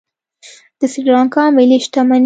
د سریلانکا ملي شتمني